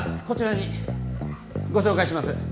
こちらにご紹介します